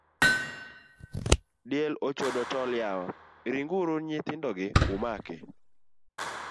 Diel ochodo tol yawa, ringuru nyithindogi umake.